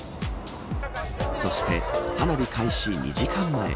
そして花火開始２時間前。